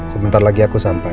sebentar lagi aku sampai